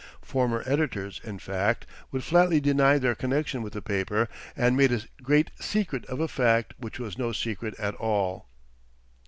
Former editors, in fact, would flatly deny their connection with the paper, and made a great secret of a fact which was no secret at all.